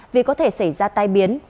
vì có thể xảy ra tai biến